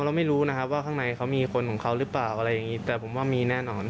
เราไม่รู้นะครับว่าข้างในเขามีคนของเขาหรือเปล่าอะไรอย่างนี้แต่ผมว่ามีแน่นอน